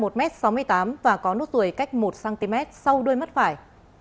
cao một m sáu mươi tám và có nốt tuổi cách một cm sau đuôi mắt phải